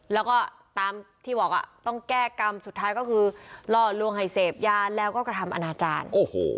แล้วก็ตามที่บอกต้องแก้กรรมสุดท้ายก็คือล่อลวงให้เสพยาแล้วก็กระทำอนาจารย์โอ้โห